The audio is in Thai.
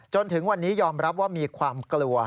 จนถึงวันนี้ยอมรับว่ามีความกลัว